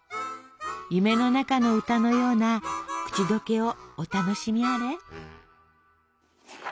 夢の中の歌のような口どけをお楽しみあれ。